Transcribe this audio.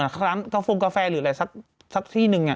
กาโฟงกาแฟหรืออะไรสักที่นึง